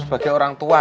sebagai orang tua